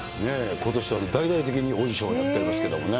ことしは大々的にオーディションをやっていますけれどもね。